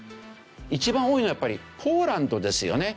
一番多いのはやっぱりポーランドですよね。